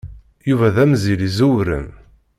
Yuba d amzil iẓewren.